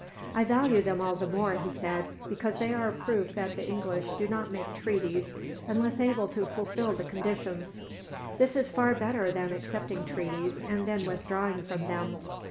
"I value them all the more," he said, "because they are a proof that the English do not make treaties, unless able to fulfil the conditions. This is far better than accepting treaties, and then withdrawing from them.